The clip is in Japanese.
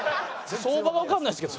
相場がわかんないですけど。